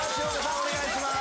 お願いします！